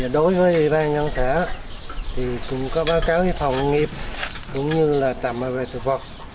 đối với bang nhân xã thì cũng có báo cáo phòng nghiệp cũng như là tạm bảo vệ thực vật